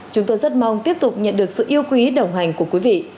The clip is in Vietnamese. chúng tôi rất mong tiếp tục nhận được sự yêu quý đồng hành của quý vị